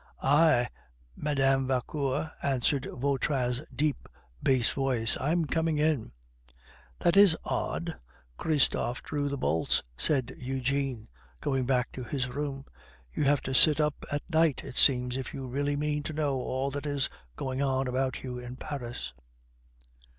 "I, Mme. Vauquer," answered Vautrin's deep bass voice. "I am coming in." "That is odd! Christophe drew the bolts," said Eugene, going back to his room. "You have to sit up at night, it seems, if you really mean to know all that is going on about you in Paris."